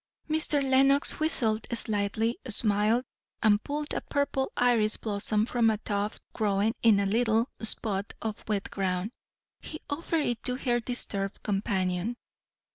Mr. Lenox whistled slightly, smiled, and pulled a purple iris blossom from a tuft growing in a little spot of wet ground. He offered it to his disturbed companion.